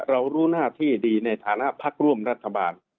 เรารู้หน้าที่ดีในฐานะพักร่วมรัฐบาล